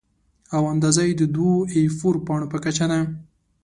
او اندازه یې د دوو اې فور پاڼو په کچه ده.